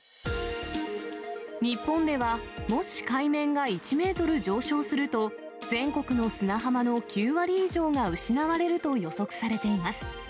日本では、もし海面が１メートル上昇すると、全国の砂浜の９割以上が失われると予測されています。